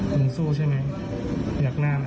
รุ้งสู้ใช่ไหมอยากหน้านะ